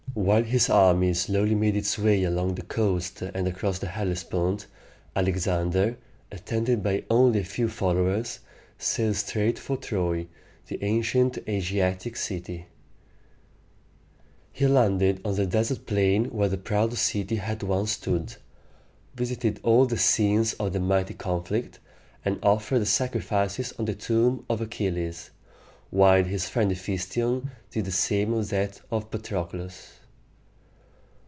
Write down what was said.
While his army slowly made its way along the coast and across the Hellespont, Alexander, attended by only a few followers, sailed straight for Troy, the ancient Asiatic city. He landed on the desert plain where the proud city had once stood, visited all the scenes of the mighty conflict, and offered sacrifices on the tomb of Achilles, while his friend He phæs´ti on did the same on that of Patroclus.